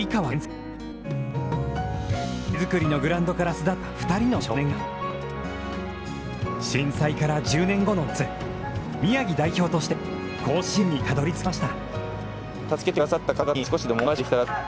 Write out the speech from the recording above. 手作りのグラウンドから巣立った２人の少年が震災から１０年後の夏、宮城代表として甲子園にたどり着きました。